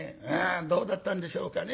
どうだったんでしょうかね。